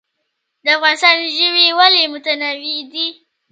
د افغانستان ژوي ولې متنوع دي؟